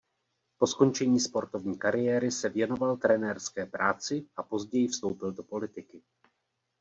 Po skončení sportovní kariéry se věnoval trenérské práci a později vstoupil do politiky.